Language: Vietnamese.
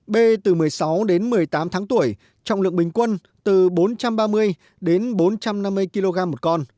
b từ một mươi sáu đến một mươi tám tháng tuổi trọng lượng bình quân từ bốn trăm ba mươi đến bốn trăm năm mươi kg một con